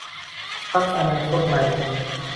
พรรคอนาคตใหม่